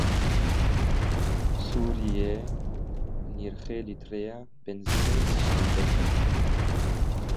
Sûriyeyê nirxê lîtreya benzînê zêde kir.